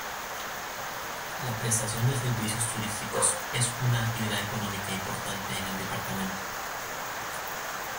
La prestación de servicios turísticos es una actividad económica importante en el departamento.